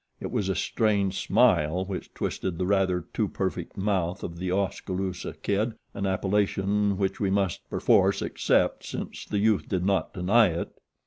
It was a strained smile which twisted the rather too perfect mouth of The Oskaloosa Kid, an appellation which we must, perforce, accept since the youth did not deny it.